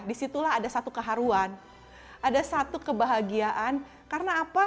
disitulah ada satu keharuan ada satu kebahagiaan karena apa